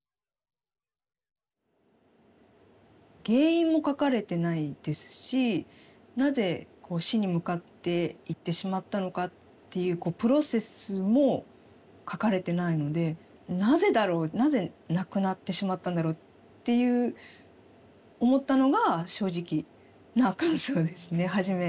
原因も書かれてないですしなぜ死に向かっていってしまったのかっていうプロセスも書かれてないのでなぜだろうなぜ亡くなってしまったんだろうっていう思ったのが正直な感想ですね。